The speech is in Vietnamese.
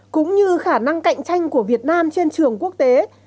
cũng như khả năng cạnh tranh của việt nam trên trường quốc tế